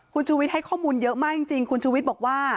คุณชูวิทย์ให้ข้อมูลเยอะมากจริงคุณชูวิทย์บอกว่า